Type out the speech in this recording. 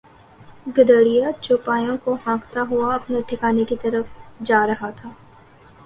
گڈریا چوپایوں کو ہانکتا ہوا اپنے ٹھکانے کی طرف جا رہا تھا۔